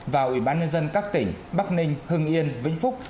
và ủy ban nhân dân các tỉnh bắc ninh hưng yên vĩnh phúc